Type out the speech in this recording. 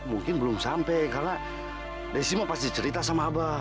mungkin belum sampai karena desimo pasti cerita sama abah